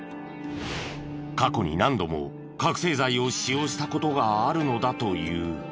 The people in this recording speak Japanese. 過去に何度も覚醒剤を使用した事があるのだという。